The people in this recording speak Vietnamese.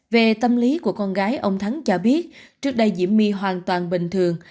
về tâm lý của con gái ông thắng cho biết trước đây diễm my hoàn toàn bình thường